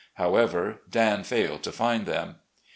However, Dan failed to find them.